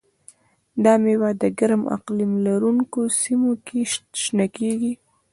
دا مېوه د ګرم اقلیم لرونکو سیمو کې شنه کېږي.